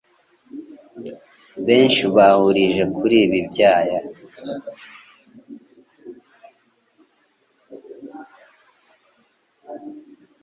benshi bahurije kuri ibi byaha